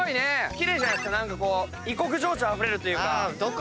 奇麗じゃないですか何か異国情緒あふれるというか。